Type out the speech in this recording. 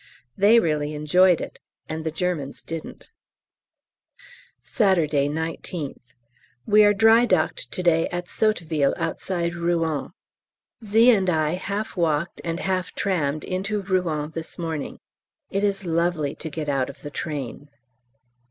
They really enjoyed it, and the Germans didn't. Saturday, 19th. We are dry docked to day at Sotteville, outside Rouen. Z. and I half walked and half trammed into Rouen this morning. It is lovely to get out of the train.